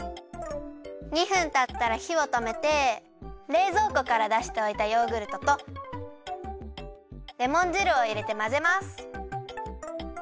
２分たったらひをとめてれいぞうこからだしておいたヨーグルトとレモン汁をいれてまぜます。